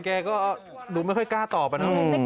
เคยเห็นมาตรงคืน